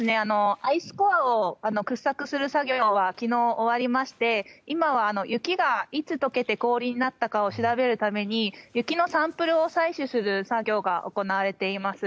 アイスコアを掘削する作業は昨日終わりまして今は、雪がいつ解けて氷になったかを調べるために雪のサンプルを採取する作業が行われています。